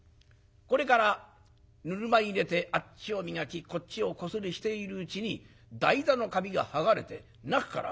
これからぬるま湯入れてあっちを磨きこっちをこすりしているうちに台座の紙が剥がれて中からゴトッ。